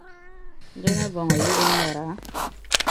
Di ni bɔŋɔ, yi bi nyara?